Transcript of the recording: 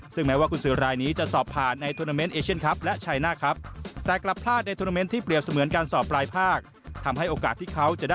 ซึ่งแม้ว่ากุญสือรายนี้จะสอบผ่านในทวนาเมนต์เอเชียนครับและชัยหน้าครับ